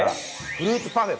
フルーツパフェ！